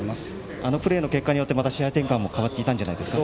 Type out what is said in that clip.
あのプレーの結果によって試合展開も変わっていたんじゃないですか？